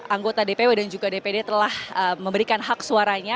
anggota dpw dan juga dpd telah memberikan hak suaranya